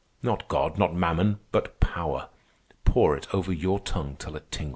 Not God, not Mammon, but Power. Pour it over your tongue till it tingles with it.